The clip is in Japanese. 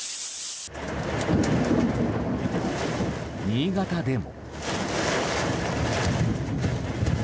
新潟でも。